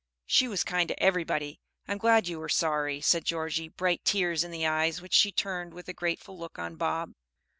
"She was kind to everybody. I am glad you were sorry," said Georgie, bright tears in the eyes which she turned with a grateful look on Bob.